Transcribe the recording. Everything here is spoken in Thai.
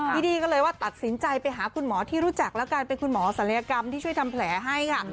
ดี้ก็เลยว่าตัดสินใจไปหาคุณหมอที่รู้จักแล้วกันเป็นคุณหมอศัลยกรรมที่ช่วยทำแผลให้ค่ะ